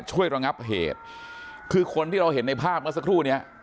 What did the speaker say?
ระงับเหตุคือคนที่เราเห็นในภาพเมื่อสักครู่เนี้ย